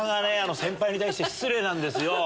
先輩に対して失礼なんですよ。